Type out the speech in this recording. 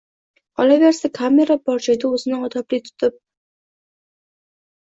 Qolaversa, kamera bor joyda o‘zini odobli tutib